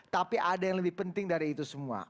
tapi ada yang lebih penting dari itu semua